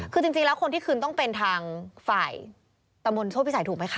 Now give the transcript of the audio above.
คือจริงแล้วคนที่คืนต้องเป็นทางฝ่ายตะมนตโชคพิสัยถูกไหมคะ